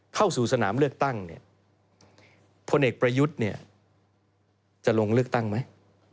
เข้าสู่สนามเลือกตั้งเนี่ยพลเอกประยุทธ์จะลงเลือกตั้งไหม